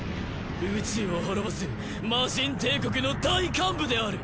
宇宙を滅ぼす魔神帝国の大幹部である！